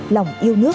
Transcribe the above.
lòng yêu nước